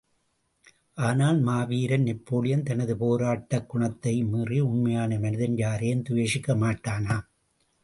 ஆனால், மாவீரன் நெப்போலியன், தனது போராட்டக் குணத்தையும் மீறி, உண்மையான மனிதன் யாரையும் துவேஷிக்க மாட்டானாம்.